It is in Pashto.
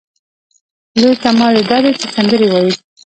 لوی کمال یې دا دی چې سندرې وايي.